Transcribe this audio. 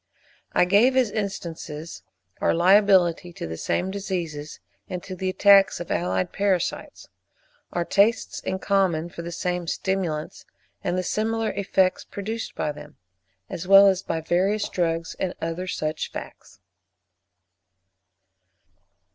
I gave, as instances, our liability to the same diseases, and to the attacks of allied parasites; our tastes in common for the same stimulants, and the similar effects produced by them, as well as by various drugs, and other such facts.